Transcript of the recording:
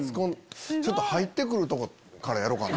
ちょっと入って来るとこからやろうかな。